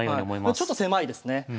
ちょっと狭いですね。